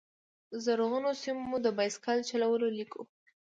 زرغونو سیمو، د بایسکل چلولو لیکو